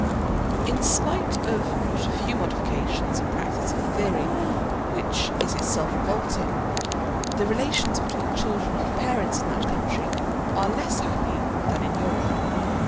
In spite of not a few modifications in practice of a theory which is itself revolting, the relations between children and parents in that country are less happy than in Europe.